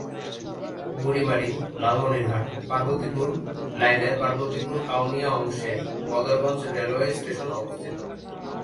বুড়ীমারি-লালমনিরহাট-পার্বতীপুর লাইনের পার্বতীপুর-কাউনিয়া অংশে Badarganj railway station অবস্থিত।